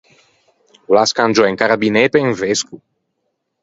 O l’à scangiou un carabinê pe un vesco.